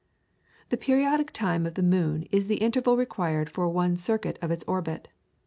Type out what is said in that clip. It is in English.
The periodic time of the moon is the interval required for one circuit of its orbit.